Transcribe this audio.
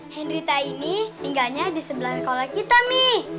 hendrita ini tinggalnya di sebelah sekolah kita mi